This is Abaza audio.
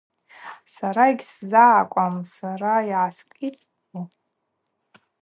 Сара йыгьсзагӏакӏуам. -Сара йгӏаскӏытӏи!